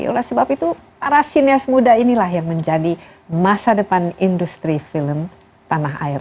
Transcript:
oleh sebab itu para sinias muda inilah yang menjadi masa depan industri film tanah air